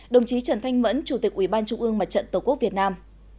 đồng chí trần thanh mẫn chủ tịch ủy ban trung ương mặt trận tổ quốc việt nam